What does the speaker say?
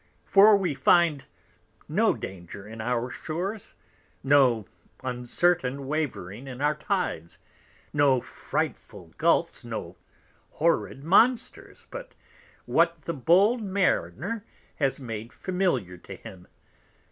For we find no Danger in our Shores, no uncertain wavering in our Tides, no frightful Gulfs, no horrid Monsters, but what the bold Mariner has made familiar to him.